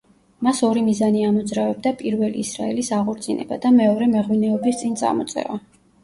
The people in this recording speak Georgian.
მას ორი მიზანი ამოძრავებდა პირველი ისრაელის აღორძინება და მეორე მეღვინეობის წინ წამოწევა.